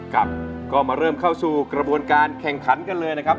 ครับก็มาเริ่มเข้าสู่กระบวนการแข่งขันกันเลยนะครับ